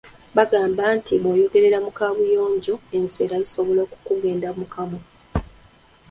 Bagamba nti bw’oyogerera mu kaabuyonjo, enswera zisobola okukugenda mu kamwa.